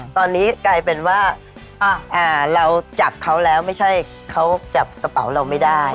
ตอนนี้กลายเป็นว่าเราจับเขาแล้วไม่ใช่เขาจับกระเป๋าเราไม่ได้